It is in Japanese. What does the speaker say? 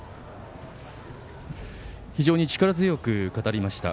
非常に力強く語りました。